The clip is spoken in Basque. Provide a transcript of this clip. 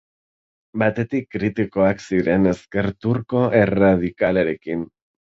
Batetik, kritikoak ziren ezker turko erradikalarekin.